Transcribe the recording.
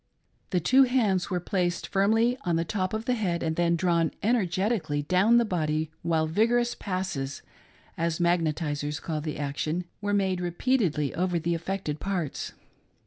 The two hands were placed firmly on the top of the head and then drawn energetically down the body while vigorous "passes" — as magnetizers call the action — were made repeatedly over the affected parts.